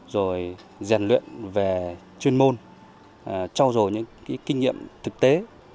rồi rèn luyện về chuyên môn trao dồi những kinh nghiệm thực tế